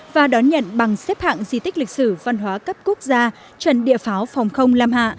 và đón nhận bằng xếp hạng di tích lịch sử văn hóa cấp quốc gia trần địa pháo phòng không lam hạ